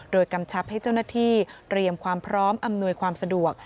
โดยกำชับให้เจ้าหน้าที่เตรียมความพร้อมอำนวยความสะดวก